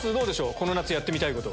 この夏やってみたいこと。